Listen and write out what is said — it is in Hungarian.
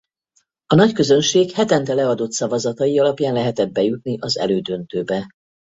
A nagyközönség hetente leadott szavazatai alapján lehetett bejutni az elődöntőbe.